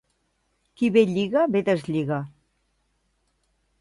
Qui bé lliga, bé deslliga.